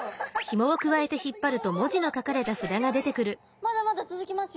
まだまだ続きますよ。